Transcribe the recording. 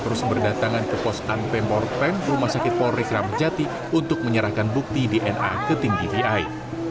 terus berdatangan ke pos unp empat rumah sakit polri kramjati untuk menyerahkan bukti dna ke tim dvi